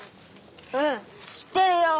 うん知ってるよ。